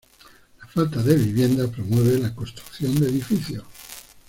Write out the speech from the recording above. La falta de viviendas promueve la construcción de edificios.